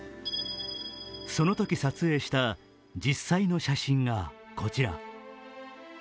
そのとき撮影した実際の写真がこちら。